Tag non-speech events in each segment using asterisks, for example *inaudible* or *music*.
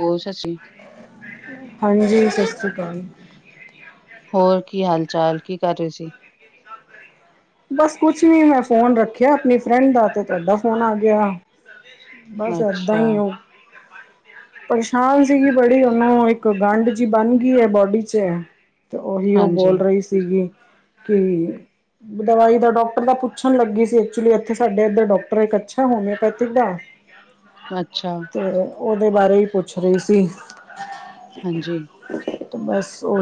ਹੋਰ ਸਤਿ ਸ਼੍ਰੀ ਹਾਂਜੀ ਸਤ ਸ਼੍ਰੀ ਅਕਾਲ। ਹੋਰ ਕੀ ਹਾਲ ਚਾਲ ਕੀ ਕਰ ਰਹੀ ਸੀ। ਬਸ ਕੁਛ ਨੀ ਮੈਂ ਫੋਨ ਰੱਖਿਆ ਆਪਣੀ ਫਰੈਂਡ ਦਾ ਤੇ ਤੁਹਾਡਾ ਫੋਨ ਆ ਗਿਆ। ਬਸ ਇਦਾਂ ਅੱਛਾ ਹੀ ਆ। ਪਰੇਸ਼ਾਨ ਸੀਗੀ ਬੜੀ ਉਹਨੂੰ ਇੱਕ ਗੰਢ ਜਿ ਬਣ ਗਈ ਹੈ ਬੋਡੀ ਚ। ਤੇ ਉਹੀ ਉਹ ਹਾਂਜੀ ਬੋਲ ਰਹੀ ਸੀਗੀ ਕਿ ਦਵਾਈ ਦਾ ਡਾਕਟਰ ਦਾ ਪੁੱਛਣ ਲੱਗੀ ਸੀ ਐਕਚੁਲੀ ਇੱਥੇ ਸਾਡੇ ਇੱਧਰ ਡਾਕਟਰ ਇੱਕ ਅੱਛਾ ਹੋਮਿਓਪੈਥਿਕ ਦਾ। ਅੱਛਾ। ਤੇ ਉਹਦੇ ਬਾਰੇ ਹੀ ਪੁੱਛ ਰਹੀ ਸੀ। ਹਾਂਜੀ।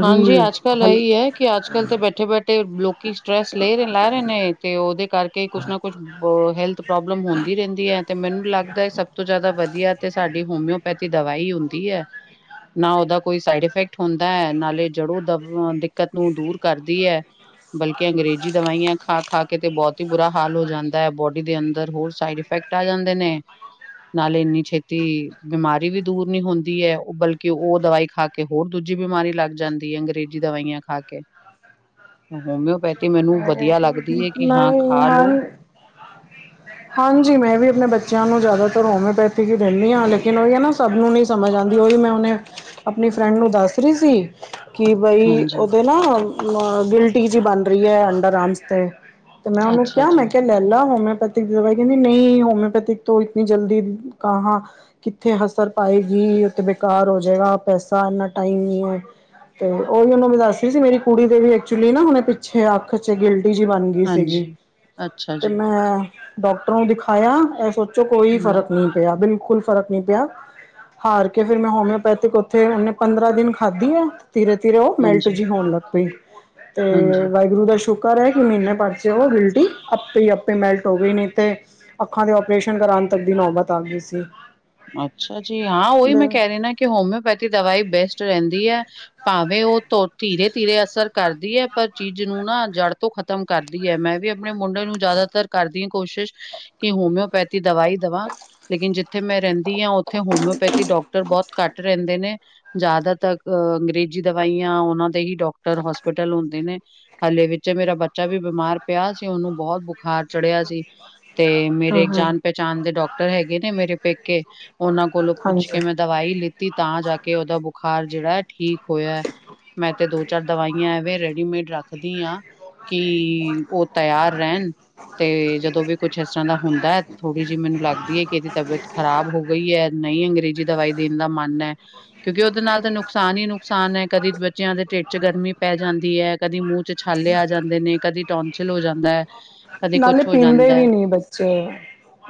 ਹਾਂਜੀ ਅੱਜ ਕੱਲ ਇਹੀ ਹੈ ਕਿ ਅੱਜ ਕੱਲ੍ਹ ਤੇ ਬੈਠੇ ਬੈਠੇ ਲੋਕ ਲੋਕੀ ਸਟ੍ਰੈਸ ਲੈ ਰਹੇ ਲੈ ਰਹੇ ਨੇ ਤੇ ਉਹਦੇ ਕਰ ਕ ਕੁਛ ਨਾ ਕੁਛ ਹੈਲਥ ਪ੍ਰੋਬਲਮ ਹੁੰਦੀ ਰਹਿੰਦੀ ਹੈ। ਤੇ ਮੈਨੂੰ ਲੱਗਦਾ ਹੈ ਸਭ ਤੋਂ ਜ਼ਿਆਦਾ ਵਧੀਆ ਤੇ ਸਾਡੀ ਹੋਮਿਓਪੈਥੀ ਦਵਾਈ ਹੁੰਦੀ ਹੈ। ਨਾ ਉਹਦਾ ਕੋਈ ਸਾਈਡ ਇਫੈਕਟ ਹੁੰਦਾ ਹੈ ਨਾਲੇ ਜੜੋਂ ਦ ਦਿੱਕਤ ਨੂੰ ਦੂਰ ਕਰਦੀ ਹੈ। ਬਲਕਿ ਅੰਗਰੇਜ਼ੀ ਦਵਾਈਆਂ ਖਾ ਖਾ ਕੇ ਤੇ ਬਹੁਤ ਹੀ ਬੁਰਾ ਹਾਲ ਹੋ ਜਾਂਦਾ ਹੈ ਬੋਡੀ ਦੇ ਅੰਦਰ ਹੋਰ ਸਾਈਡ ਇਫੈਕਟ ਆ ਜਾਂਦੇ ਨੇ ਨਾਲੇ ਇੰਨੀ ਛੇਤੀ ਬਿਮਾਰੀ ਵੀ ਦੂਰ ਨੀ ਹੁੰਦੀ ਹੈ ਉਹ ਬਲਕਿ ਕਿ ਉਹ ਦਵਾਈ ਖਾ ਕੇ ਹੋਰ ਦੂਜੀ ਬਿਮਾਰੀ ਲੱਗ ਜਾਂਦੀ ਹੈ ਅੰਗਰੇਜ਼ੀ ਦਵਾਈਆਂ ਖਾ ਕੇ ਹੋਮਿਓਪੈਥੀ। ਮੈਨੂੰ ਵਧੀਆ ਲੱਗਦੀ ਹੈ ਕਿ ਮੈਂ ਹਾਂ ਖਾ ਮਾਂ ਲੋ ਹਾਂਜੀ ਮੈਂ ਵੀ ਆਪਣੇ ਬੱਚਿਆਂ ਨੂੰ ਜ਼ਿਆਦਾ ਰਮਿਓਪੈਥੀ ਹੀ ਦਿੰਦੀ ਹਾਂ ਲੇਕਿਨ ਉਹੀ ਹੈ ਨਾ ਸਭ ਨੂੰ ਨਹੀਂ ਸਮਝ ਆਉਂਦੀ ਉਹੀ ਮੈਂ ਉਹਨੇ ਆਪਣੀ ਫਰੈਂਡ ਨੂੰ ਦੱਸ *unintelligible* ਕਿ ਬਈ ਹਾਂਜੀ ਉਹਦੇ ਨਾ ਗਿਲਟੀ ਜਿਹੀ ਬਣ ਰਹੀ ਹੈ ਅੰਡਰ ਆਰਮਸ ਤੇ ਤੇ ਮੈਂ ਉਹਨੂੰ ਅੱਛਾ ਕਿਹਾ ਮੈਂ ਜੀ ਕਿਹਾ ਲੈ ਲਾ ਪੈਥੀਕ ਦਵਾਈ ਕਹਿੰਦੀ ਨਹੀਂ ਹੋਮਿਓਪੈਥਿਕ ਤੋਂ ਇਤਨੀ ਜਲਦੀ ਕਹਾਂ ਕਿੱਥੇ ਅਸਰ ਪਾਏਗੀ ਉਥੇ ਬੇਕਾਰ ਹੋ ਜਾਏਗਾ ਪੈਸਾ ਇੰਨਾ ਟਾਈਮ ਨੀ ਤੇ ਉਹੀ ਓਨੂੰ ਵੀ ਦੱਸਦੀ ਸੀ ਮੇਰੀ ਕੁੜੀ ਦੇ ਵੀ ਐਕਚੁਲੀ ਨਾ ਉਹਨੇ ਪਿੱਛੇ ਅੱਖ ਚ ਗਿੱਲ ਜੀ ਬਣ ਗਈ ਸੀਗੀ ਹਾਂਜੀ ਅੱਛਾ ਤੇ ਜੀ ਮੈਂ ਡਾਕਟਰ ਨੂੰ ਦਿਖਾਇਆ ਇਹ ਸੋਚੋ ਕੋਈ ਹਮ ਫ਼ਰਕ ਨਹੀਂ ਪਿਆ ਬਿਲਕੁਲ ਬਿਲਕੁਲ ਫ਼ਰਕ ਨਹੀਂ ਪਿਆ ਹਾਰ ਕੇ ਫਿਰ ਮੈਂ ਹੋਮਿਓਪੈਥਿਕ ਉੱਥੇ ਉਹਨੇ ਪੰਦਰਾਂ ਦਿਨ ਖਾਧੀ ਆ ਧੀਰੇ, ਧੀਰੇ ਉਹ ਮੇਲਟ ਹਾਂਜੀ ਜੀ ਹੋਣ ਲੱਗ ਪਈ ਤੇ ਹਾਂਜੀ ਵਾਹਿਗੁਰੂ ਦਾ ਸ਼ੁਕਰ ਹੈ ਕਿ ਮਹੀਨੇ ਪਰਚੇ ਉਹ ਗਿਲਟੀ ਆਪੇ ਆਪੇ ਮੈਲਟ ਹੋ ਗਈ ਨੂੰ ਤੇ ਅੱਖਾਂ ਦੇ ਓਪਰੇਟ ਓਪਰੇਸ਼ਨ ਤੱਕ ਦੀ ਨੌਬਤ ਆ ਗਈ ਸੀ ਅੱਛਾ ਜੀ, ਹਾਂ ਉਹੀ ਹੂੰ ਮੈਂ ਕਹਿ ਰਹੀਦਾ ਕਿ ਹੋਮਿਓਪੈਥੀ ਦਵਾਈ ਬੈਸਟ ਰਹਿੰਦੀ ਹੈ ਭਾਵੇਂ ਉਹ ਧੀਰੇ ਧੀਰੇ ਅਸਰ ਕਰਦੀ ਹੈ ਪਰ ਚੀਜ਼ ਨੂੰ ਨਾ ਜੜ੍ਹ ਤੋਂ ਖ ਖਤਮ ਕਰਦੀ ਹੈ ਮੈਂ ਵੀ ਆਪਣੇ ਮੁੰਡੇ ਨੂੰ ਜ਼ਿਆਦਾਤਰ ਕਰਦੀ ਹਾਂ ਕੋਸ਼ਿਸ਼ ਕਿ ਹੋਮਿਓਪੈਥੀ ਦਵਾਈ ਦਵਾਂ ਲੇਕਿਨ ਜਿੱਥੇ ਮੈਂ ਰਹਿੰਦੀ ਹਾਂ ਉੱਥੇ ਹੋਮਿਓਪੈਥੀ ਡਾਕਟਰ ਬਹੁਤ ਘੱਟ ਰਹਿੰਦੇ ਨੇ ਜ਼ਿਆਦਾ ਤੱਕ ਅੰਗਰੇਜ਼ ਦਵਾਈਆਂ ਉਹਨਾਂ ਦੇ ਹੀ ਡਾਕਟਰ ਹੋਸਪਿਟਲ ਹੁੰਦੇ ਨੇ ਹਲੇ ਵਿੱਚ ਮੇਰਾ ਬੱਚਾ ਵੀ ਬਿਮਾਰ ਪਿਆ ਸੀ ਉਹਨੂੰ ਬਹੁਤ ਬੁਖਾਰ ਚੜਿਆ ਸੀ ਤੇ ਮੇਰੇ ਹੂੰ ਜਾਣ ਪਹਿਚਾਣ ਦੇ ਡਾਕਟਰ ਹੈਗੇ ਨੇ ਮੇਰੇ ਪ ਉਹਨਾਂ ਕੋਲੋਂ ਪੁੱਛ ਕੇ ਹਾਂਜੀ ਮੈਂ ਦਵਾਈ ਲਿੱਤੀ ਤਾਂ ਜਾ ਕੇ ਉਹਦਾ ਬੁਖਾਰ ਜਿਹੜਾ ਹੈ ਠੀਕ ਹੋਇਆ ਮੈਂ ਤੇ ਦੋ ਚਾਰ ਦਵਾਈਆਂ ਐਵੇਂ ਰੈਡੀਮੇਡ ਰੱਖਦੀ ਹਾਂ ਕਿ ਉਹ ਤਿਆਰ ਰਹਿਣ ਤੇ ਜਦੋਂ ਵੀ ਕੁਛ ਇਸ ਤਰ੍ਹਾਂ ਦਾ ਹੁੰਦਾ ਥੋੜ੍ਹੀ ਜਿਹੀ ਮੈਨੂੰ ਲੱਗਦੀ ਹੈ ਕਿ ਇਹਦੀ ਤਬੀਅਤ ਖ਼ਰਾਬ ਹੋ ਗਈ ਹੈ ਨਹੀਂ ਅੰਗਰੇਜ਼ੀ ਦਵਾਈ ਦੇਣ ਦਾ ਮਨ ਹੈ ਕਿਉਂਕਿ ਉਹਦੇ ਨਾਲ ਤਾਂ ਨੁਕਸਾਨ ਹੀ ਨੁਕਸਾਨ ਹੈ ਕਦੀ ਬੱਚਿਆਂ ਦੇ ਢਿੱਡ ਚ ਗ ਮੀ ਪੈ ਜਾਂਦੀ ਹੈ, ਕਦੀ ਮੂੰਹ ਚ ਛਾਲੇ ਆ ਜਾਂਦੇ ਨੇ, ਕਦੀ ਟੋਂਚਲ ਹੋ ਜਾਂਦਾ ਹੈ ਕਦੇ ਨਾਲੇ ਕੁਛ ਹੋ ਪੀਂਦੇ ਜਾਂਦਾ ਹੈ। ਵੀ ਨੀ ਬੱਚੇ,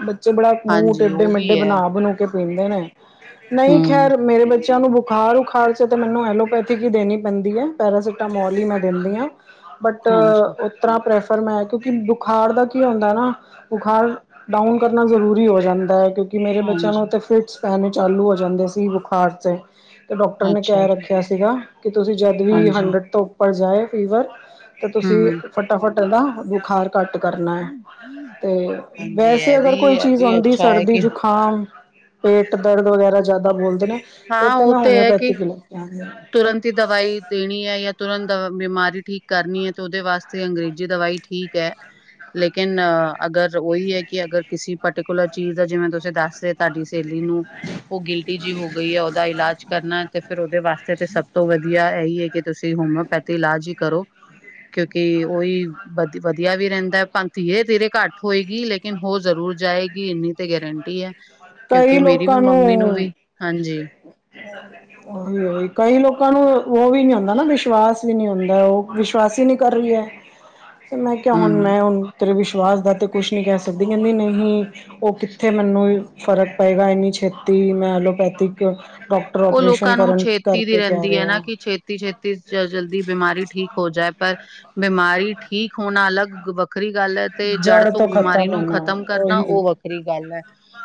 ਬੱਚੇ ਬੜਾ ਮੂੰਹ ਹਾਂਜੀ, ਉਹ ਵੀ ਤੇੜੇ-ਮੇਡੇ ਹੈ, ਬਨਾ ਬਨੁ ਕੇ ਪੀਂਦੇ ਨੇ ਨਹੀਂ ਹੂੰ, ਖੈਰ ਮੇਰੇ ਬੱਚੇ ਬੱਚਿਆਂ ਨੂੰ ਬੁਖਾਰ ਉਖਾਰ ਚ ਤੇ ਮੈਨੂੰ ਐਲੋਪੈਥਿਕ ਹੀ ਦੇਣੀ ਪੈਂਦੀ ਹੈ। ਪੈਰਾਸਟਾਮੋਲ ਹੀ ਮੈਂ ਦਿੰਦੀ ਹਾਂ ਬਟ ਹਾਂਜੀ, ਉਤਰ੍ਹਾਂ ਪ੍ਰੈਫਰ ਮੈਂ ਕਿਉਂਕਿ ਬੁਖਾਰ ਦਾ ਕੀ ਹੁੰਦਾ ਨਾ, ਬੁਖਾਰ ਡਾਊਨ ਕਰਨਾ ਜ਼ਰੂਰੀ ਹੋ ਜਾਂਦਾ ਹੈ, ਕਿਉਕਿ ਮੇਰੇ ਬੱਚਿਆਂ ਨੂੰ ਹਾਂਜੀ, ਫਿਟਸ ਪਹਿਲੇ ਚਾਲੂ ਹੋ ਜਾਂਦੇ ਸੀ, ਬੁਖਾਰ ਚ ਡਾਕਟਰ ਨੇ ਅੱਛਾ ਕਹਿ ਜੀ, ਰੱਖਿਆ ਸੀਗਾ, ਕਿ ਤੁਸੀਂ ਜਦ ਵੀ ਹਾਂਜੀ, ਹੰਡਰਡ ਤੋਂ ਉੱਪਰ ਜਾਏ ਫੀਵਰ ਤੇ ਤੁਸੀਂ ਹੂੰ। ਫਟਾਫਟ ਇਹਦਾ ਬੁਖਾਰ ਘੱਟ ਕਰਨਾ ਹੈ, ਤੇ ਹਾਂਜੀ, ਵੈਸੇ ਇਹ ਅਗਰ ਵੀ ਕੋਈ ਇਹ ਚੀਜ਼ ਵੀ ਆਂਦੀ ਅੱਛਾ ਹੈ ਸਰਦੀ, ਕਿ ਜੁਕਾਮ ਪੇਟ ਦਰਦ ਵਗੈਰਾ ਜ਼ਿਆਦਾ ਬੋਲਦੇ ਨੇ, ਫੇਰ ਹਾਂ, ਤੇ ਉਹ ਮੈਂ ਹੈ ਕਿ ਹੋਮਿਓਪੈਥੀ ਹੀ ਲੈ ਕੇ ਆਨੀ ਆਂ। ਤੁਰੰਤ ਹੀ ਦਵਾਈ ਦੇਣੀ ਐ, ਜਾਂ ਤੁਰੰਤ ਬਿਮਾਰੀ ਠੀਕ ਕਰਨੀ ਹੈ, ਤੇ ਉਹਦੇ ਵਾਸਤੇ ਅੰਗਰੇਜ਼ੀ ਦਵਾਈ ਠੀਕ ਐ। ਲੇਕਿਨ ਅਗਰ ਉਹੀ ਹੈ, ਕਿ ਅਗਰ ਕਿਸੇ ਪਰਟੀਕੁਲਰ ਚੀਜ਼ ਦਾ ਜਿਵੇਂ ਤੁਸੀਂ ਦੱਸਦੇ ਤੁਹਾਡੀ ਸਹੇਲੀ ਨੂੰ ਉਹ ਗਿਲਟੀ ਜਿਹੀ ਹੋ ਗਈ ਐ, ਉਹਦਾ ਇਲਾਜ ਕਰਨਾ ਤੇ ਫੇਰ ਉਹਦੇ ਵਾਸਤੇ ਤੇ ਸਭ ਤੋਂ ਵਧੀਆ ਇਹੀ ਹੈ, ਕਿ ਤੁਸੀਂ ਹੋਮਿਓਪੈਥੀ ਇਲਾਜ ਹੀ ਕਰੋ। *inaudible* ਕਿਉਂਕਿ ਉਹੀ ਵਧ ਵਧੀਆ ਵੀ ਰਹਿੰਦਾ, ਭਾ ਧੀਰੇ- ਧੀਰੇ ਘੱਟ ਹੋਏਗੀ, ਲੇਕਿਨ ਹੋ ਜ਼ਰੂਰ ਜਾਏਗੀ ਇੰਨੀ ਤੇ ਗਰੰਟੀ ਹੈ, ਕਿਉਂਕਿ ਕਈ ਮੇਰੀ ਵੀ ਲੋਕਾਂ ਮੰਮੀ ਨੂੰ ਵੀ ਹਾਂਜੀ। ਉਹੀ -ਉਹੀ ਕਈ ਲੋਕਾਂ ਨੂੰ ਉਹ ਵੀ ਨੀ ਹੁੰਦਾ ਨਾ ਵਿਸ਼ਵਾਸ ਵੀ ਨੀ ਹੁੰਦਾ, ਉਹ ਵਿਸ਼ਵਾਸ ਅਸਰ ਈ ਨਹੀਂ ਕਰ ਰਹੀ ਐ। ਤੇ ਮੈਂ ਕਿਹਾ ਹੁਣ ਹੂੰ ਮੈਂ ਹੁਣ ਤੇਰੇ ਵਿਸ਼ਵਾਸ ਦਾ ਤੇ ਕੁਛ ਨਹੀਂ ਕਹਿ ਸਕਦੀ, ਕਹਿੰਦੀ ਨਹੀਂ ਉਹ ਕਿੱਥੇ ਮੈਨੂੰ ਫ਼ਰਕ ਪਏਗਾ ਇੰਨੀ ਛੇਤੀ, ਮੈਂ ਐਲੋਪੈਥਿਕ ਡਾਕਟਰ ਉਹ ਓਪਰੇਸ਼ਨ ਲੋਕਾਂ ਨੂੰ ਕਰਨ ਛੇਤੀ ਦੀ ਕਰਕੇ ਕਹਿ ਰਹਿੰਦੀ ਹੈ ਨਾ, ਰਿਹਾ ਕਿ ਛੇਤੀ- ਛੇਤੀ ਜਲਦੀ ਬਿਮਾਰੀ ਠੀਕ ਹੋ ਜਾਏ। ਬਿਮਾਰੀ ਠੀਕ ਹੋਣਾ, ਅਲੱਗ ਵੱਖਰੀ ਗੱਲ ਤੇ ਜੜ ਤੋਂ ਧੁ ਬਿਮਾਰੀ ਖ਼ਤਮ ਨੂੰ ਹੋਣਾ ਖਤਮ ਕਰਨਾ ਉਹੀ ਉਹ ਵੱਖਰੀ ਗੱਲ ਐ,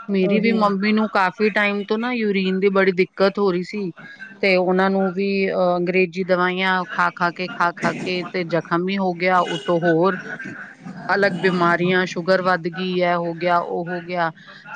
ਮੇਰੀ ਵੀ ਉਹੀ ਮੰਮੀ ਨੂੰ ਕੱਲ ਕਾਫ਼ੀ ਟਾਈਮ ਤੋਂ ਨਾ ਯੂਰੀਨ ਦੀ ਬੜੀ ਦਿੱਕਤ ਹੋ ਰਹੀ ਸੀ ਤੇ ਉਹਨਾਂ ਨੂੰ ਵੀ ਅਹ ਅੰਗਰੇਜ਼ ਜੀ ਦਵਾਈਆਂ ਖਾ -ਖਾ ਕੇ, ਖਾ -ਖਾ ਕੇ ਤੇ ਜਖ਼ਮ ਵੀ ਹੋ ਗਿਆ, ਉਤੋਂ ਹੋਰ ਅਲੱਗ ਬਿਮਾਰੀਆਂ ਸ਼ੂਗਰ ਵੱਧ ਗਈ ਐ, ਹੋ ਗਿਆ ਉਹ ਹੋ ਗਿਆ,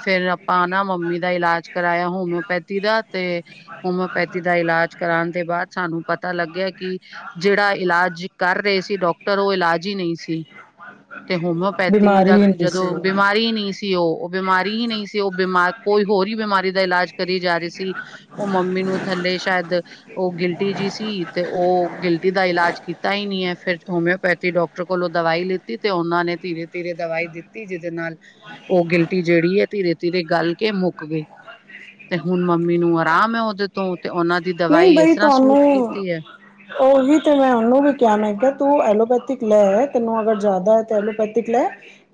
ਫੇਰ ਆਪਾਂ ਨਾ ਮੰਮੀ ਦਾ ਇਲਾਜ ਕਰਾਇਆ ਹੋਮਿਓਪੈਥੀ ਦਾ। ਤੇ ਹੋਮਿਓਪੈਥੀ ਦਾ ਇਲਾਜ ਕਰਾਣ ਦੇ ਬਾਅਦ ਸਾਨੂੰ ਪਤਾ ਲੱਗਿਆ, ਕਿ ਜਿਹੜਾ ਇਲਾਜ ਜੀ ਕਰ ਰਹੇ ਸੀ, ਡਾਕਟਰ ਉਹ ਇਲਾਜ ਹੀ ਨਹੀਂ ਸੀ। *unintelligible* ਤੇ ਹੋਮਿਓਪੈਥੀ ਦਾ, ਜਦੋਂ ਬਿਮਾਰੀ ਨਹੀਂ ਸੀ ਉਹ। ਬਿਮਾਰੀ ਹੀ ਨਹੀਂ ਸੀ ਉਹ, ਬਿਮਾ ਕੋਈ ਹੋਰ ਹੀ ਬਿਮਾਰੀ ਦਾ ਇਲਾਜ ਕਰੀ ਜਾ ਰਹੇ ਸੀ। ਉਹ ਮੰਮੀ ਨੂੰ ਥੱਲੇ ਸ਼ਾਇਦ ਉਹ ਗਿਲਟੀ ਜੀ ਸੀ, ਤੇ ਉਹ ਗਿਲਟੀ ਦਾ ਇਲਾਜ ਕੀ ਤਾ ਹੀ ਨਹੀਂ ਹੈ ਫਿਰ ਹੋਮਿਓਪੈਥੀ ਡਾਕਟਰ ਕੋਲੋਂ ਦਵਾਈ ਲਿੱਤੀ, ਤੇ ਉਹਨਾਂ ਨੇ ਧੀਰੇ -ਧੀਰੇ ਦਵਾਈ ਦਿੱਤੀ, ਜਿਹਦੇ ਨਾਲ ਉਹ ਗਿਲਟੀ ਜਿਹੜੀ ਹੈ, ਧੀਰੇ- ਧੀਰੇ ਗਲ ਕੇ ਮੁੱਕ ਗਈ, ਤੇ ਹੁਣ ਮ ਨੂੰ ਆਰਾਮ ਐ ਉਹਦੇ ਤੋਂ, ਤੇ ਉਹਨਾਂ ਦੀ ਨਹੀਂ ਦਵਾਈ ਇਸ ਬਈ ਤਰ੍ਹਾਂ ਸੂਟ ਤੁਹਾਨੂੰ ਕੀਤੀ ਐ। ਉਹੀ ਤੇ ਮੈਂ ਉਹਨੂੰ ਵੀ ਕਿਹਾ, ਮੈਂ ਕਿਹਾ ਤੂੰ ਐਲੋਪੈਥ ਲੈ ਹੈ ਤੈਨੂੰ ਅਗਰ ਜ਼ਿਆਦਾ ਤੇ ਐਲੋਪੈਥਿਕ ਲੈ,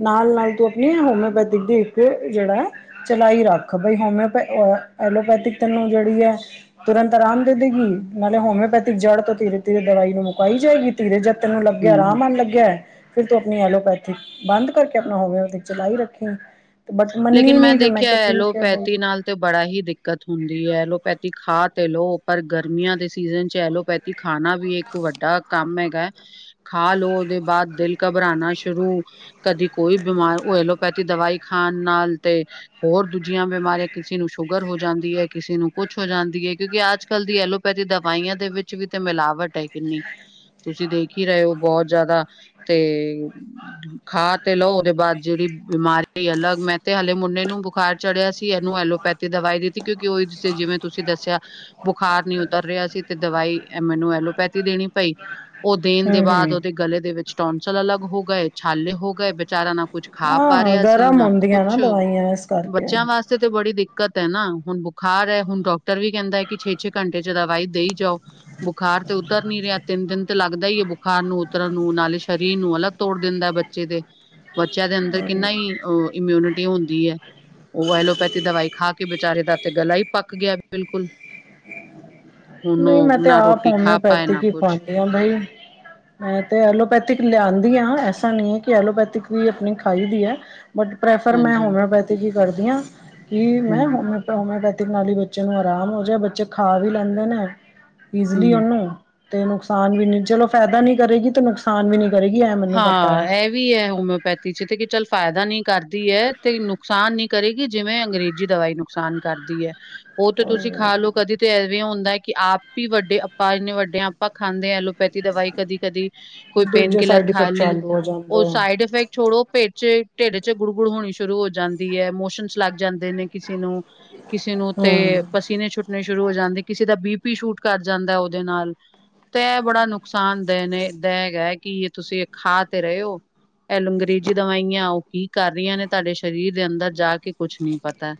ਨਾਲ- ਨਾਲ ਤੂੰ ਹੋਮਿਓਪੈਥਿਕ ਦੀ ਇੱਕ ਜਿਹੜਾ ਹੈ ਚਲਾਈ ਰੱਖ, ਬਾਈ ਹੋਮਓ ਐਲੋਪੈਥਿਕ ਜਿਹੜੀ ਹੈ ਤੁਰੰਤ ਆਰਾਮ ਦੇ ਦੇਗੀ, ਨਾਲੇ ਹੋਮਿਓਪੈਥਿਕ ਜੜ ਤੋਂ ਧੀਰੇ- ਧੀਰੇ ਦਵਾਈ ਨੂੰ ਮੁਕਾਈ ਜਾਏਗੀ। ਧੀਰੇ ਜੇ ਤੈਨੂੰ ਲੱਗਿਆ ਹੂੰ। ਆਰਾਮ ਆਣ ਲੱਗਿਆ, ਫਿਰ ਤੂੰ ਆਪਣੀ ਐਲੋਪੈਥਿਕ ਬੰਦ ਕਰਕੇ ਆਪਣਾ ਹੋਵੇ ਉਹਦੇ ਚਲਾਈ ਰੱਖੇ। ਲੇਕਿਨ ਮੈਂ ਦੇਖਿਆ ਐਲੋਪੈਥੀ ਨਾਲ ਤੇ ਬੜਾ ਹੀ ਦਿੱਕਤ ਹੁੰਦੀ ਐ, ਐਲੋਪੈਥੀ ਖਾ ਤੇ ਲਓ, ਪਰ ਗਰਮੀਆਂ ਦੇ ਸੀਜਨ ਚ ਐਲੋਪੈਥੀ ਖਾਣਾ ਵੀ ਇੱਕ ਵੱਡਾ ਕੰਮ ਹੈਗਾ। ਖਾ ਲਓ ਉਹਦੇ ਬਾਅਦ ਦਿਲ ਘਬਰਾਣਾ ਸ਼ੁਰੂ, ਕਦੀ ਕੋਈ ਬਿਮਾਰ ਉਹ ਐਲੋਪੈਥੀ ਦਵਾਈ ਖਾਣ ਖਾਣ ਤੇ ਹੋਰ ਦੂਜੀਆਂ ਬਿਮਾਰੀਆਂ ਕਿਸੇ ਨੂੰ ਸ਼ੂ ਸ਼ੂਗਰ ਹੋ ਜਾਂਦੀ ਐ, ਕਿਸੇ ਨੂੰ ਕੁਛ ਹੋ ਜਾਂਦੀ ਐ, ਕਿਉਂਕਿ ਅੱਜ- ਕੱਲ੍ਹ ਦੀ ਐਲੋ ਰੀ ਦਵਾਈਆਂ ਦੇ ਵਿੱਚ ਵੀ ਤੇ ਮਿਲਾਵਟ ਹੈ ਕਿੰਨੀ। ਤੁਸੀਂ ਦੇਖ ਹੀ ਰਹੇ ਹੋ, ਬਹੁਤ ਜ਼ਿਆਦਾ। ਤੇ ਖਾ ਤੇ ਲਓ, ਉਹਦੇ ਬਾਅਦ ਜਿਹੜੀ ਬਿਮਾਰੀ ਐ ਅਲੱਗ ਮੈਂ ਤੇ ਹਲੇ ਮੁੰਡੇ ਨੂੰ ਬੁਖਾਰ ਚੜਿਆ ਸੀ। ਇਹਨੂੰ ਐਲੋਪੈਥੀ ਦਵਾਈ ਦਿੱਤੀ ਕਿਉਂਕਿ ਉਹੀ ਜਿਵੇਂ ਤੁਸੀਂ ਦੱਸਿਆ ਬੁਖਾਰ ਨ ਉਤਰ ਰਿਹਾ ਸੀ ਤੇ ਦਵਾਈ ਮੈਨੂੰ ਐਲੋਪੈਥੀ ਦੇਣੀ ਪਈ ਉਹ ਦੇਣ ਦੇ ਹਮ ਬਾਅਦ ਹਮ ਉਹਦੇ ਗਲੇ ਦੇ ਵਿੱਚ ਟੋਂਸਲ ਅਲੱਗ ਹੋ ਗਏ, ਛਾਲੇ ਹੋ ਗਏ ਬੇਚਾਰਾ ਨਾ ਕੁੱਝ ਖਾ ਪਾ ਹਾਂ ਰਿਹਾ ਸੀ ਗਰਮ ਨਾ ਹੁੰਦੀਆਂ ਨਾ ਕੁਛ ਦਵਾਈਆਂ ਇਸ ਕਰਕੇ ਬੱਚਿਆਂ ਵਾਸਤੇ ਤੇ ਬੜੀ ਦਿੱਕ ਕਤ ਹੈ ਨਾ ਹੁਣ ਬੁਖਾਰ ਹੈ ਹੁਣ ਡਾਕਟਰ ਵੀ ਕਹਿੰਦਾ ਕਿ ਛੇ-ਛੇ ਘੰਟੇ ਚ ਦਵਾਈ ਦੇਈ ਜਾਓ, ਬੁਖਾਰ ਤੇ ਉਤਰ ਨੀ ਰਿਹਾ ਤਿੰਨ ਦਿਨ ਤੇ ਲੱਗਦਾ ਹੀ ਹੈ ਬੁਖਾਰ ਨੂੰ ਉਤਰਨ ਨੂੰ ਨਾਲੇ ਸਰੀਰ ਨੂੰ ਅਲੱਗ ਤੋੜ ਦਿੰਦਾ ਬੱਚੇ ਦੇ। ਬੱਚਿਆਂ ਦੇ ਅੰਦਰ ਕਿੰਨਾ ਹੀ ਅ ਇਮਿਊਨਿਟੀ ਹੁੰਦੀ ਹੈ। ਉਹ ਐਲੋਪੈਥੀ ਦਵਾਈ ਖਾ ਕੇ ਵਿਚਾਰੇ ਦਾ ਤੇ ਗਲਾ ਹੀ ਪੱਕ ਗਿਆ ਬਿਲਕੁਲ। ਹੁਣ ਨਹੀਂ, ਮੈਂ ਉਹ ਤੇ ਨਾ ਆਪ ਰੋਟੀ ਖਾ ਪਾਏ ਨਾ ਹੋਮਿਓਪੈਥਿਕ ਹੀ ਕੁਛ ਖਵਾਂਦੀ ਹ ਬਾਈ। ਮੈਂ ਤੇ ਐਲੋਪੈਥਿਕ ਲਿਆਂਦੀ ਹ ਐਸਾ ਨੀ ਹੈ ਕਿ ਐਲੋਪੈਥਿਕ ਵੀ ਆਪਣੀ ਖਾਈ ਦੀ ਹੈ, ਬਟ ਪ੍ਰੈਫਰ ਮੈਂ ਹਾਂਜੀ ਹੋਮਿਓਪੈਥਿਕ ਹੀ ਕਰਦੀ ਹਾਂ। ਕਿ ਮੈਂ ਹਮ ਹੋ ਹੋਮਓਪੈਥਿਕ ਨਾਲ ਹੀ ਬੱਚੇ ਨੂੰ ਆਰਾਮ ਹੋ ਜਾ ਬੱਚੇ ਖਾ ਵੀ ਲੈਂਦੇ ਨੇ। ਹਮ ਈਜ਼ਲੀ ਉਹਨੂੰ ਤੇ ਨੁਕਸਾਨ ਵੀ ਨੀ ਚਲੋ ਫਾਇਦਾ ਨੀ ਕਰੇਗੀ ਤੇ ਨੁਕਸਾਨ ਵੀ ਨੀ ਹਾਂ ਇਹ ਵੀ ਹੈ ਹੋਮਿਓਪੈਥੀ ਚ ਤੇ ਕਿ ਚੱਲ ਫਾਇਦਾ ਨਹੀ ਕਰਦੀ ਹੈ, ਤੇ ਨੁਕਸਾਨ ਨੀ ਕਰੇਗੀ ਜਿਵੇਂ ਅੰਗਰੇਜ਼ੀ ਦਵਾਈ ਨੁਕਸਾਨ ਕਰਦੀ ਹੈ। ਉਹ ਤੇ ਤੁਸੀਂ ਖਾ ਲਓ ਕਦੇ ਤਾਂ ਐਵੇਂ ਹੁੰਦਾ ਹੈ ਕਿ ਆਪ ਹੀ ਵੱਡੇ ਆਪਾਂ ਇੰਨੇ ਵੱਡੇ ਆਪਾਂ ਖਾਂਦੇ ਆ। ਪੈਥੀ ਦਵਾਈ ਕਦੀ ਕਦੀ ਕੋਈ ਪੇਨ ਦੂਜੇ ਕਿਲਰ ਸਾਈਡ ਇਫੈਕਟ ਖਾਲੀ, ਚਾਲੂ ਹੋ ਉਹ ਜਾਂਦੇ ਆ ਸਾਈਡ ਇਫੈਕਟ ਛੋੜੋ ਪੇਟ ਚ ਢੇਡੇ ਚ ਗੁੜ ਗੁੜ ਹੋਣੀ ਸ਼ੁਰੂ ਹੋ ਜਾਂਦੀ ਹੈ ਮੋਸ਼ਨ ਲੱਗ ਜਾਂਦੇ ਨੇ ਕਿਸੇ ਨੂੰ ਕਿਸੇ ਨੂੰ ਤੇ ਹਮ। ਪਸੀਨੇ ਛੁੱਟਣੇ ਸ਼ੁਰੂ ਹੋ ਜਾਂਦੇ ਕਿਸੇ ਦਾ ਬੀ ਪੀ ਸ਼ੂਟ ਕਰ ਜਾਂਦਾ ਉਹਦੇ ਨਾਲ ਤ ਬੜਾ ਨੁਕਸਾਨ ਦ ਨੇ ਦਗਾ ਕਿ ਇਹ ਤੁਸੀਂ ਖਾ ਤੇ ਰਹੇ ਹੋ ਇਹ ਅੰਗਰੇਜ਼ੀ ਦਵਾਈਆਂ ਉਹ ਕੀ ਕਰ ਰਹੀਆਂ ਨੇ, ਤੁਹਾਡੇ ਸਰੀਰ ਦੇ ਅੰਦਰ ਜਾ ਕੇ ਕੁਛ ਨਹੀਂ ਪਤਾ।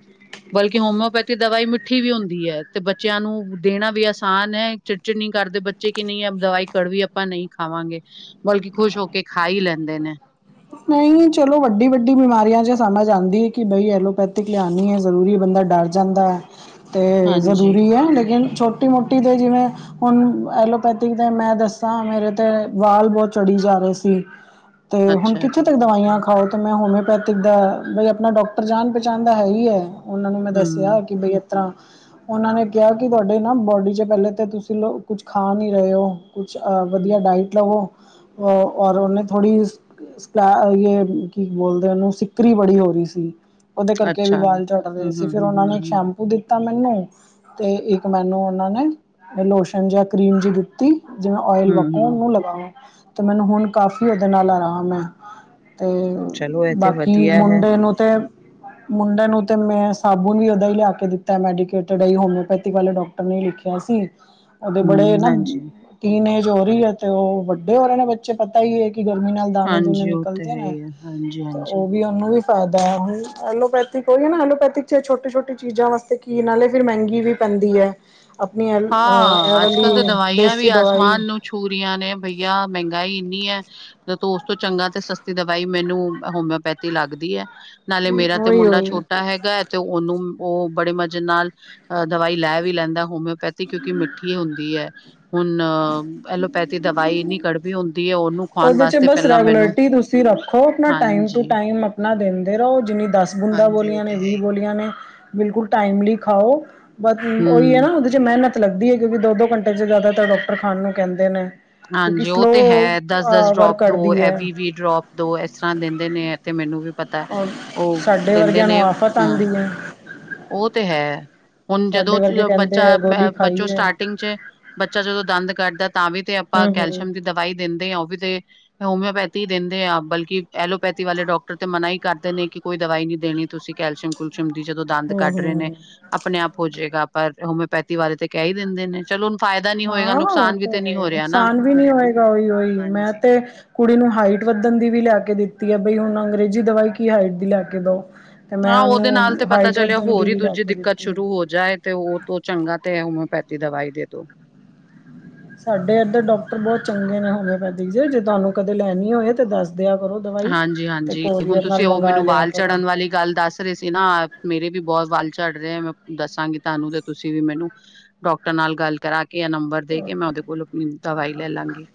ਬਲਕਿ ਹੋਮਿਓਪੈਥੀ ਦਵਾਈ ਮਿੱਠੀ ਵੀ ਹੁੰਦੀ ਹੈ ਤੇ ਬੱਚਿਆਂ ਨੂੰ ਦੇਣਾ ਵੀ ਆਸਾਨ ਹੈ ਚਿੜਚਿੜਨੀ ਕਰਦੇ ਬੱਚੇ ਕਿ ਨਹੀਂ ਦਵਾਈ ਕੜ ਵੀ ਆਪਾਂ ਨਹੀਂ ਖਾਵਾਂਗੇ ਬਲਕਿ ਖੁਸ਼ ਹੋ ਕੇ ਖਾ ਹੀ ਲੈਂਦੇ ਨੇ ਨਹੀਂ ਚਲੋ ਵੱਡੀ ਵੱਡੀ ਬਿਮਾਰੀਆਂ ਜ ਸਮਝ ਆਉਦੀ ਹੈ ਕਿ ਬਈ ਐਲੋਪੈਥਿਕ ਲਿਆਉਣੀ ਹੈ ਜ਼ਰੂਰੀ ਬੰਦਾ ਡਰ ਜਾਂਦਾ ਅਤੇ ਹਾਂਜੀ ਜ਼ਰੂਰੀ ਹੈ ਲ ਛੋਟੀ ਮੋਟੀ ਦੇ ਜਿਵੇਂ ਹੁਣ ਐਲੋਪੈਥਿਕ ਦੇ ਮੈਂ ਦੱਸਾਂ ਮੇਰੇ ਤੇ ਵਾਲ ਬਹੁਤ ਚੜ੍ਹੀ ਜਾ ਰਹੇ ਸੀ ਤੇ ਹੁਣ ਅੱਛਾ ਕਿੱਥੇ ਜੀ ਤੱਕ ਦਵਾਈਆਂ ਖਾਓ ਮੈਂ ਹੋਮਿਓਪੈਥਿਕ ਦਾ ਬਈ ਆਪਣਾ ਡਾਕਟਰ ਜਾਣ ਪਹਿਚਾਣ ਦਾ ਹੈ ਹੀ ਹੈ ਉਹਨਾਂ ਨੂੰ ਮੈਂ ਦੱਸਿਆ ਹਮ ਕਿ ਬਈ ਤ੍ਹਾਂ ਉਹਨਾਂ ਨੇ ਕਿਹਾ ਕਿ ਤੁਹਾਡੇ ਨਾ ਬੋਡੀ ਚ ਪਹਿਲੇ ਤੇ ਤੁਸੀਂ ਕੁਛ ਖਾ ਨਹੀਂੀ ਰਹੇ ਹੋ ਕੁਛ ਵਧੀਆ ਡਾਈਟ ਲਵੋ ਔਰ ਉਹਨੇਥੋੜੀ ਕੀ ਬੋਲਦੇ ਉਹਨੂੰ ਸਿੱਕਰੀ ਬੜੀ ਹੋ ਰਹੀ ਸੀ ਉਹਦੇ ਕਰਕੇ ਵੀ ਅੱਛਾ ਵਾਲ ਝੜਟ ਰਹੇ ਹਮ ਸੀ ਹਮ ਫਿਰ ਹਮ ਉਹਨਾ ਨੇ ਇੱਕ ਹਮ ਸ਼ੈਂਪੂ ਦਿੱ ਤਾ ਮੈਨੂੰ ਤੇ ਇੱਕ ਮੈਨੂੰ ਉਹਨਾਂ ਨੇ ਲੋਸ਼ਨ ਜਿ ਕਰੀਮ ਜਿ ਦਿੱਤੀ ਜਿਵੇਂ ਓਇਲ ਹਮ ਵਕੋ ਹਮ ਉਹਨੂੰ ਲਗਾਵਓ ਤੇ ਮੈਨੂੰ ਹੁਣ ਕਾਫ਼ੀ ਉਹਦੇ ਨਾਲ ਆਰਾਮ ਹੈ ਤੇ ਚਲੋ ਇਹ ਤੇ ਬਾਕੀ ਵਧੀਆ ਹੈ ਮੁੰਡੇ ਨੂੰ ਤੇ ਮੁੰਡੇ ਨੂੰ ਤਾਂ ਮੈਂ ਸਾਬੁਣ ਵੀ ਦਾਂ ਹੀ ਲਿਆ ਕੇ ਦਿੱਤਾ ਮੈਡੀਕੇਟਡ ਹੈ ਹੀ ਹੋਮਿਓਪੈਥੀ ਵਾਲੇ ਡਾਕਟਰ ਨੇ ਹੀ ਲਿਖਿਆ ਸੀ ਉਹਦੇ ਹਮ ਬੜੇ ਨਾ ਹਾਂਜੀ ਤਨ ਏਜ ਹੋ ਰਹੀ ਹੈ ਤੇ ਉਹ ਵੱਡੇ ਹੋ ਰਹੇ ਨੇ ਬੱਚੇ ਪਤਾ ਹੀ ਹੈ ਕਿ ਗਰਮੀ ਨਾਲ ਦਾਣੇ ਦੋਨੇ ਹਾਂਜੀ, ਉਹ ਤਾਂ ਨਿਕਲਦੇ ਹੈ ਨੇ ਹੀ ਹੈ। ਤੇ ਹਾਂਜੀ-ਹਾਂਜੀ। ਉਹ ਵੀ ਉਹਨੂੰ ਵੀ ਫਾਇਦਾ ਹੁਣ ਐਲੋਪੈਥਿਕ ਹੋਈ ਹੈ ਨਾ ਐਲੋਪੈਥਿਕ ਚ ਛੋਟੀ ਛੋਟੀ ਚੀਜ਼ਾਂ ਵਸ ਕੀਣ ਨਾਲੇ ਫਿਰ ਮਹਿੰਗੀ ਵੀ ਪ ਜਾਂਦੀ ਹੈ ਆਪਣੀ ਐ ਇਹ ਹਾਂ ਅੱਜ ਕੱਲ ਤਾਂ ਵਾਲੀ ਦਵਾਈਆਂ ਵੀ ਦੇਸੀ ਆਸਮਾਨ ਦਵਾਈ ਨੂੰ ਛੂ ਰਹੀਆਂ ਨੇ ਬਈਆ ਮਹਿੰਗਾਈ ੂੰ ਉਸ ਤੋਂ ਚੰਗਾ ਤੇ ਸਸਤੀ ਦਵਾਈ ਮੈਨੂੰ ਹੋਮਿਓਪੈਥੀ ਲੱਗਦੀ ਹੈ ਨਾਲੇ ਮੇਰਾ ਤੇ ਉਹੀ ਮੁੰਡਾ ਉਹੀ ਛੋਟਾ ਹੈਗਾ ਹੈ ਤੇ ਉਹਨੂੰ ਉਹ ਬੜੇ ਮਜ਼ੇ ਨਾਲ ਅ ਦਵਾਈ ਲੈ ਵੀ ਲੈਂਦਾ ਹੋਮਿਓਪੈਥ ਕਿਉਂਕਿ ਮਿੱਠੀ ਹੁੰਦੀ ਹੈ ਹੁਣ ਐਲੋਪੈਥੀ ਦਵਾਈ ਇਨੀ ਕੜਬੀ ਹੁੰਦੀ ਹੈ ਉਹਨੂੰ ਖਵਾਉਣ ਉਹਦੇ ਚ ਵਾਸਤੇ ਬਸ ਪਹਿਲਾਂ ਮੈਨੂੰ ਰੈਗੂਲਰਿਟੀ ਤੁਸੀਂ ਰੱਖੋ ਆਪਣਾ ਟਮ ਟੂ ਹਾਂਜੀ, ਟਾਈਮ ਆਪਣਾ ਦਿੰਦੇ ਰਹੋ ਜਿੰਨੀ ਦਸ ਬੁੰਦਾਾਂ ਹਾਂਜੀ ਉਹ ਬੋਲੀਆਂ ਨੇ ਤੇ ਹੈ ਵੀਹ ਹੀ। ਬੋਲੀਆਂ ਨੇ ਬਿਲਕੁਲ ਟਾਈਮਲੀ ਖਾਓ ਬ ਉਹੀ ਹੈ ਹੂੰ। ਨਾ ਉਹਦੇ ਚ ਮਿਹਨਤ ਲੱਗਦੀ ਹੈ ਕਿਉਂਕਿ ਦੋ ਦੋ ਘੰਟੇ ਚ ਜ਼ਿਆਦਾਤਰ ਡਾਕਟਰ ਖਾਨ ਨੂੰ ਕਹਿੰਦੇ ਨੇ ਕਿਉਂਕਿ ਹਾਂਜੀ ਉਹ ਸਲੋ ਤੇ ਹੈ ਦਸ ਦਸ ਵਰਕ ਡਰੋਪ ਦੋ ਕਰਦੀ ਹੈ ਐਵ ਵੀ ਡਰੋਪ ਦੋ ਇਸ ਤਰ੍ਹਾਂ ਦਿੰਦੇ ਨੇ ਤੇ ਮੈਨੂੰ ਵੀ ਪਤਾ ਔਰ ਉਹ ਸਾਡੇ ਦਿੰਦੇ ਵਰਗਿਆਂ ਨੇ ਨੂੰ ਆਫ਼ਤ ਹਮ ਆਉਂਦੀ ਹੈ ਉਹ ਤੇ ਹੈ ਹੁਣ ਜਦੋਂ ਸਾਡੇ ਵਰਗੇ ਕਹਿੰਦੇ ਬੱਚਾ ਹੈ ਗੋਲੀ ਬੱਚੋ ਖਾਈ ਹੈ ਸਟਾਰਟਿੰਗ ਚ ਬੱਚਾ ਜਦੋਂ ਦੰਦ ਕਰਦਾ ਤਾਂ ਵੀ ਤੇ ਆਪਾਂ ਹਮ ਹਮ ਕੈਲਸ਼ੀਅਮ ਦੀ ਦਵਾਈ ਦਿੰਦੇ ਹਾਂ ਉਹ ਵੀ ਤੇ ਹੋਮੀਿਓਪੈਥੀ ਦਿੰਦੇ ਹਾਂ ਬਲਕਿ ਐਲੋਪੈਥੀ ਵਾਲੇ ਡਾਕਟਰ ਤੇ ਮਨਾ ਹੀ ਕਰਦੇ ਨੇ ਕਿ ਕੋਈ ਦਵਾਈ ਨੀ ਦੇਣੀ ਤੁਸੀਂ ਕੈਲਸ਼ਅਮ ਕੁਲਅਮ ਦੀਦ ਹਮ ਕੱਢ ਰਹੇ ਨੇ ਹਮ ਆਪਣੇ ਆਪ ਹੋ ਜਾਏਗਾ ਪਰ ਹੋਮਿਓਪੈਥੀ ਬਾਰੇ ਤੇ ਕਹਿ ਹੀ ਦਿੰਦੇ ਨੇ ਚਲੋ ਫਾਇਦਾ ਨੀ ਹੋਏਗਾ ਹਾਂ ਉਹ ਨੁਕਸਾਨ ਵੀ ਤਾਂ ਤੇ ਨਹੀਂ ਹੋ ਰਿਹਾ ਨਾ। ਨੁਕਸਾਨ ਵੀ ਨੀ ਹੋਏਗਾ ਉਹੀ ਉਹੀ ਮੈਂ ਹਾਂਜੀ ਤੇ ਕੁੜੀ ਨੂੰ ਹਾਈਟ ਵ ਦੰ ਦੀ ਵੀ ਲੈ ਕੇ ਦਿੱਤੀ ਹੈ ਬਈ ਹੁਣ ਅੰਗਰੇਜ਼ੀ ਦਵਾਈ ਕੀ ਹਾਈਟ ਦੀ ਲੈ ਕੇ ਦਓ ਤੇ ਹਾਂ ਮੈਂ ਉਹਦੇ ਨਾਲ ਉਹਨੂੰ ਤੇ ਪਤਾ ਹਾਈਟ ਚੱਲਿਆ ਵੱਧਣ ਦੀ ਹੋਰ ਹੀ ਵੀ ਲੈ ਦੂਜੀ ਕੇ ਦਿੱਕਤ ਦਿੱਤੀ ਹੈ ਸ਼ੁਰੂ ਹੋ ਜਾਏ ਤੇ ਉਹ ਤੋਂ ਚੰਗਾ ਤੇ ਹੈ ਉਵੇ ਪੈਤੀ ਦਵਾਈ ਦੇ ਦੋ ਸਾਡੇ ਇੱਧਰ ਡਾਕਟਰ ਬਹੁਤ ਚੰਗੇ ਨੇ ਹੋਮਿਓਪੈਥਿਕ ਜ ਜੇ ਤੁਹਾਨੂੰ ਕਦੇ ਲੈਣੀ ਹੋਏ ਤਾਂ ਦੱਸ ਦਿਆ ਕਰੋ ਦਵਾਈ ਹਾਂਜੀ ਤੇ ਹਾਂਜੀ ਹੁਣ ਕੋਰੀਅਰ ਤੁਸੀਂ ਨਾਲ ਉਹ ਮੰਗਵਾ ਮੈਨੂੰ ਲਿਆ ਵਾਲ ਕਰੋ ਚੜ੍ਹਨ ਵਾਲੀ ਗੱਲ ਦੱਸ ਰਹੇ ਸੀ ਨਾ ਮੇਰੇ ਵੀ ਬਹੁਤ ਵਾਲ ਚਝੜ ਰਿਹਾ ਮੈਂ ਦੱਸਾਂਗੀ ਤੁਹਾਨੂੰ ਤੇ ਤੁਸੀਂ ਵੀ ਮੈਨੂੰ ਡਾਕਟਰ ਨਾਲ ਗੱਲ ਕਰਾਂਗੇ ਕਿ ਆ ਨੰਬਰ ਦੇ ਕੇ ਮੈਂ ਉਹਦੇ ਕੋਲ ਆਪਣੀ ਦਵਾਈ ਲੈ ਲਵਾਂਗੀ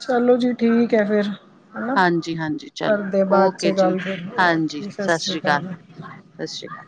ਚਲੋ ਜੀ। ਠੀਕ ਹੈ ਫੇਿਰ। ਹਨਾ ਹਾਂਜੀ-ਹਾਂਜੀ ਚਲੋ ਘਦੇ ਬਾਅਦ ਚ ਓਕੇ ਜੀ ਗੱਲ ਫਿਰ ਹਾਂਜੀ ਸਤਿ ਸ੍ਰੀ ਸ਼੍ਰੀ ਅਕਾਲ। ਸਤਿ ਸ਼੍ਰੀ ਅਕਾਲ।